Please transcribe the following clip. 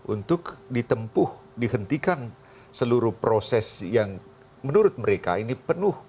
untuk ditempuh dihentikan seluruh proses yang menurut mereka ini penuh